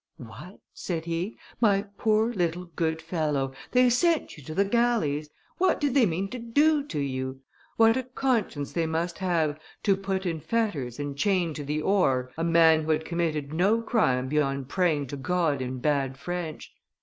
'What,' said he, 'my poor, little, good fellow, they sent you to the galleys! What did they mean to do with you? What a conscience they must have to put in fetters and chain to the oar a man who had committed no crime beyond praying to God in bad French!